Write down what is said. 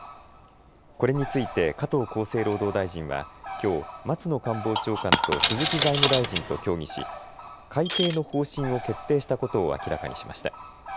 これについて加藤厚生労働大臣はきょう松野官房長官と鈴木財務大臣と協議し改定の方針を決定したことを明らかにしました。